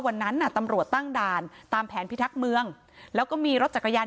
วันนั้นน่ะตำรวจตั้งด่านตามแผนพิทักษ์เมืองแล้วก็มีรถจักรยาน